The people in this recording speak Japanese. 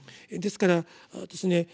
ですからですね